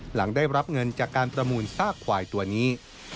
หลังได้รับเงินจากการประมูลซากควายตัวนี้